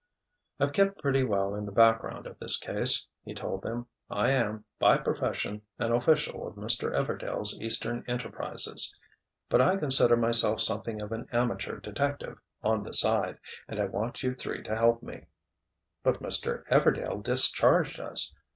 "I've kept pretty well in the background of this case," he told them. "I am, by profession, an official of Mr. Everdail's eastern enterprises. But I consider myself something of an amateur detective 'on the side' and I want you three to help me." "But Mr. Everdail 'discharged' us."